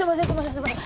すみません